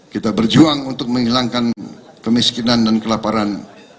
kita berjuang untuk menghilangkan kemiskinan dan kelaparan